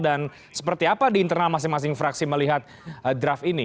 dan seperti apa di internal masing masing fraksi melihat draft ini